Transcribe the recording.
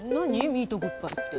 ミートグッバイって。